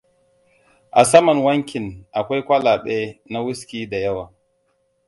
A saman wankin akwai kwalabe na wuski da yawa.